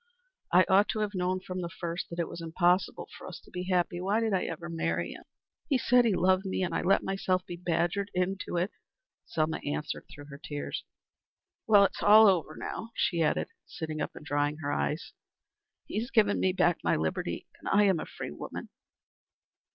"I ought to have known from the first that it was impossible for us to be happy. Why did I ever marry him? He said he loved me, and I let myself be badgered into it," Selma answered through her tears. "Well, it's all over now," she added, sitting up and drying her eyes. "He has given me back my liberty. I am a free woman."